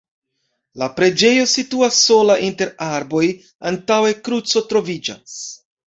La preĝejo situas sola inter arboj, antaŭe kruco troviĝas.